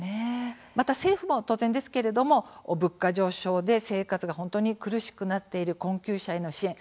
また、政府も当然ですけれども物価上昇で生活が本当に苦しくなっている困窮者への支援